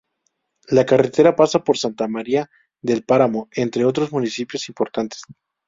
La carretera pasa por Santa María del Páramo entre otros municipios importantes.